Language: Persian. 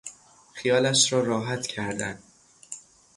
خیالش را راحت کردن